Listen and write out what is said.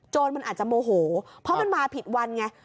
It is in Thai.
มันอาจจะโมโหเพราะมันมาผิดวันไง